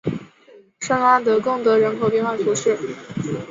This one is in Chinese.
圣拉德贡德人口变化图示